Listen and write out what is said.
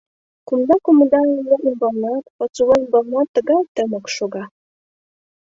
Кумда-кумда эҥер ӱмбалнат, пасула ӱмбалнат тыгай тымык шога.